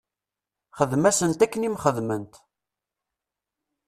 Xdem-asent akken i m-xedment.